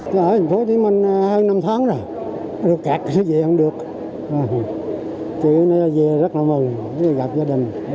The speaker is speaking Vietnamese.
thành phố hồ chí minh hơn năm tháng rồi rồi cạt cái gì cũng được chị về rất là mừng gặp gia đình